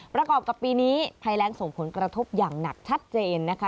ประกอบกับปีนี้ภัยแรงส่งผลกระทบอย่างหนักชัดเจนนะคะ